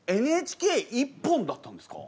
ＮＨＫ一本だったんですか？